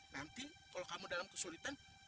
nanti kalau kamu dalam kesulitan